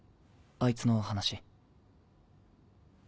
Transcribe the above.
あいつの話。